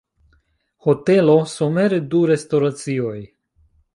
Hotelo, Somere du restoracioj.